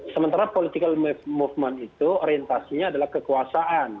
sementara political movement itu orientasinya adalah kekuasaan